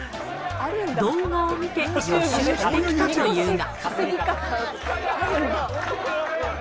動画を見て予習してきたというが。